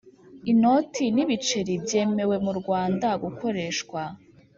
Inoti n ibiceri byemewe mu Rwanda gukoreshwa